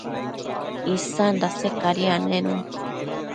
isan dase cadi annenun